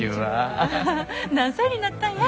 何歳になったんや？